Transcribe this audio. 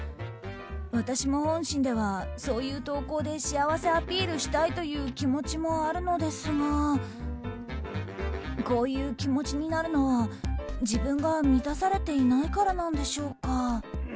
私も本心では、そういう投稿で幸せアピールしたいという気持ちもあるのですがこういう気持ちになるのは自分が満たされていないからなんでしょうか？